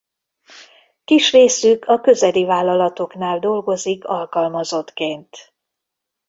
Kis részük a közeli vállalatoknál dolgozik alkalmazottként.